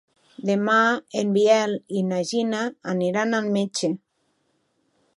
Demà en Biel i na Gina aniran al metge.